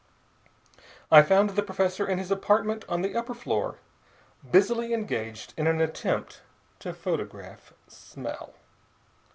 I found the professor in his apartment on the upper floor, busily engaged in an attempt to photograph smell.